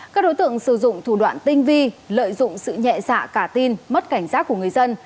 các đối tượng sử dụng thủ đoạn tinh vi lợi dụng sự nhẹ dạ cả tin mất cảnh giác của người dân